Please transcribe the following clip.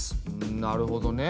なるほどね。